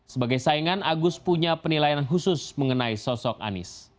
sebagai saingan agus punya penilaian khusus mengenai sosok anies